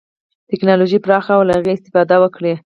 ټکنالوژي پراخه او له هغې استفاده وکړي.